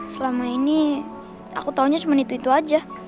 selama ini aku taunya cuma itu itu aja